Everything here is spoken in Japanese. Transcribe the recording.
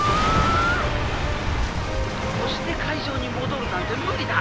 「押して海上に戻るなんて無理だ！